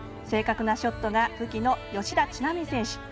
正確なショットが武器の吉田知那美選手。